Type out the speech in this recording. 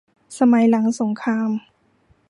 สมัยหลังสงคราม